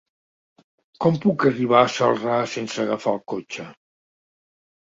Com puc arribar a Celrà sense agafar el cotxe?